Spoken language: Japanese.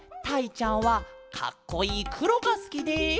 ちゃんはかっこいいくろがすきです」。